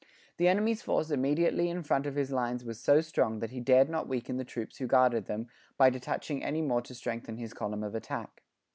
The enemy's force immediately in front of his lines was so strong that he dared not weaken the troops who guarded them, by detaching any more to strengthen his column of attack.